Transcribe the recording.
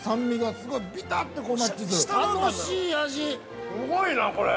◆すごいな、これ。